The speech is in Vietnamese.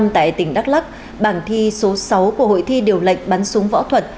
tại tỉnh đắk lắc bảng thi số sáu của hội thi điều lệnh bắn súng võ thuật